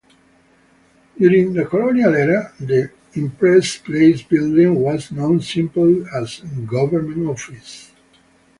During the colonial era, the Empress Place Building was known simply as Government Offices.